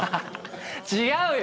違うよ！